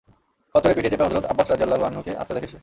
খচ্চরের পিঠে চেপে হযরত আব্বাস রাযিয়াল্লাহু আনহু-কে আসতে দেখে সে।